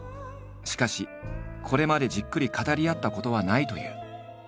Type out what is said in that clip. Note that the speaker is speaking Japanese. しかしこれまでじっくり語り合ったことはないという。